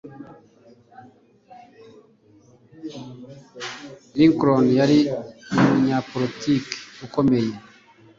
Lincoln yari umunyapolitiki ukomeye